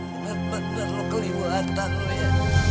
bener bener lo keliuatan lo ya